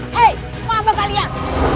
hei apa kalian